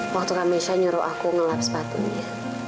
waktu kak misha nyuruh aku ngelap sepatunya